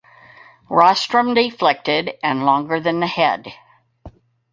Rostrum deflected and longer than the head.